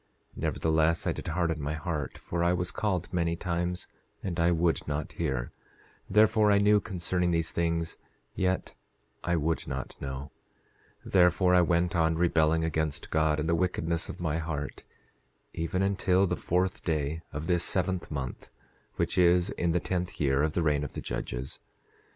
10:6 Nevertheless, I did harden my heart, for I was called many times and I would not hear; therefore I knew concerning these things, yet I would not know; therefore I went on rebelling against God, in the wickedness of my heart, even until the fourth day of this seventh month, which is in the tenth year of the reign of the judges.